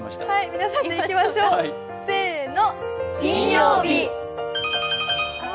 皆さんでいきましょう、せーの。